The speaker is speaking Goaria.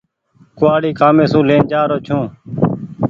ڪوُوآڙي ڪآمي سون لين جآرو ڇون ۔